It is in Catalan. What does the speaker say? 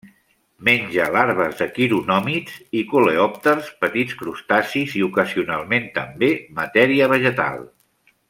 Menja larves de quironòmids i coleòpters, petits crustacis i, ocasionalment també, matèria vegetal.